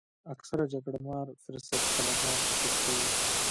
اکثره جګړه مار فرصت طلبان فکر کوي.